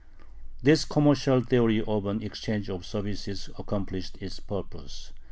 This commercial theory of an exchange of services accomplished its purpose.